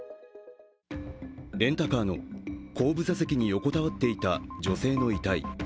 レンタカーの後部座席に横たわっていた女性の遺体。